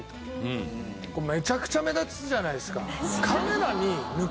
めちゃくちゃ目立つじゃないですか。